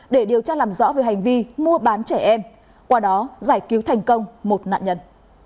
để điều tra làm rõ về hành vi mua bán trẻ em qua đó giải cứu thành công một nạn nhân